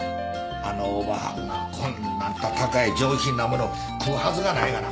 あのおばはんがこんなあんた高い上品なもの食うはずがないがな。